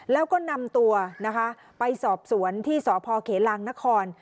แล้วก็นำตัวนะคะไปสอบสวนที่สพเขลางนคร